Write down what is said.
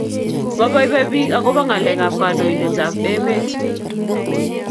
moboiboi pik ako ba ngalek ab kandoiten ab emt